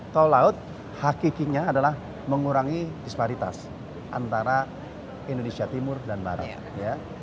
tol laut hakikinya adalah mengurangi disparitas antara indonesia timur dan barat ya